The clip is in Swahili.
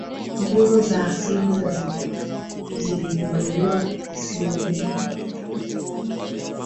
nguzo za asili za ziligunduliwa isimila